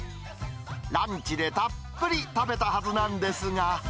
ランチでたっぷり食べたはずなんですが。